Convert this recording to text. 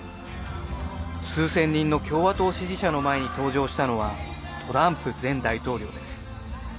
数千人の共和党支持者の前に登場したのはトランプ前大統領です。